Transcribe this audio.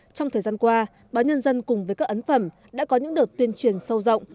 trong thời gian qua báo nhân dân cùng với các ấn phẩm đã có những đợt tuyên truyền sâu rộng